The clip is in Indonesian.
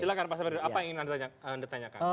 silahkan pak sabadi apa yang ingin anda tanyakan